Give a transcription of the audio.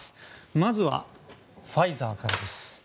まずはファイザーからです。